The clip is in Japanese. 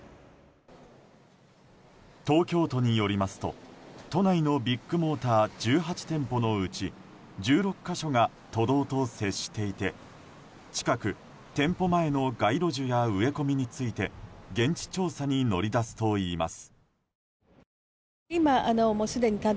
東京都によりますと、都内のビッグモーター１８店舗のうち１６か所が都道と接していて近く、店舗前の街路樹や植え込みについて現地調査に乗り出すといいます。